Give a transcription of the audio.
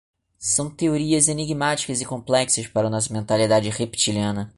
São teorias enigmáticas e complexas para nossa mentalidade reptiliana